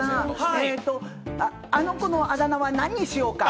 えっと、あの子のあだ名は何にしようか。